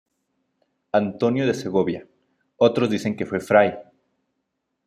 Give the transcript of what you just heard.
Antonio de Segovia, otros dicen que fue fray.